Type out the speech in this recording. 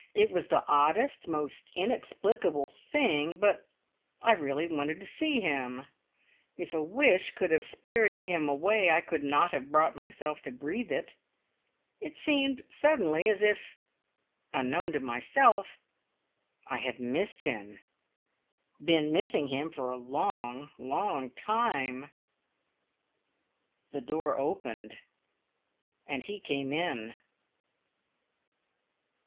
It was the oddest, most inexplicable thing, but I I really wanted to see him. If a wish could have spirited him away, I could not have brought myself to breathe it. It seemed suddenly as if, unknown to myself, I had missed him, been missing him for a long, long time The door opened and he came in.